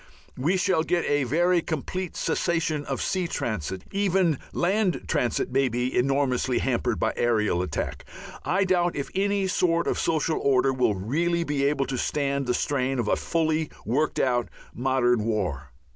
We shall get a very complete cessation of sea transit. Even land transit may be enormously hampered by aerial attack. I doubt if any sort of social order will really be able to stand the strain of a fully worked out modern war.